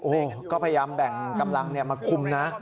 โอ้โหก็พยายามแบ่งกำลังมาคุมนะ